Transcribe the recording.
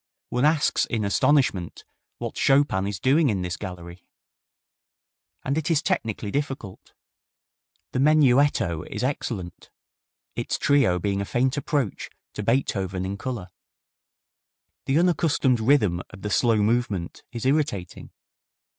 One asks in astonishment what Chopin is doing in this gallery. And it is technically difficult. The menuetto is excellent, its trio being a faint approach to Beethoven in color. The unaccustomed rhythm of the slow movement is irritating.